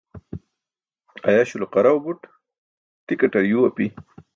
Ayaś lo qaraw buṭ, tikaṭar yuu api.